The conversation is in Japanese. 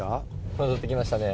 戻ってきましたね。